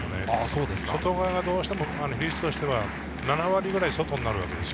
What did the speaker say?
外側がどうしても比率としては７割ぐらい外になります。